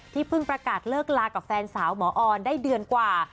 เพิ่งประกาศเลิกลากับแฟนสาวหมอออนได้เดือนกว่า